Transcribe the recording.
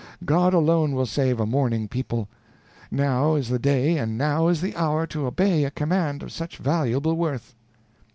God alone will save a mourning people. Now is the day and now is the hour to obey a command of such valuable worth."